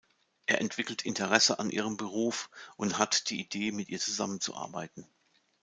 Er entwickelt Interesse an ihrem Beruf und hat die Idee, mit ihr zusammenzuarbeiten.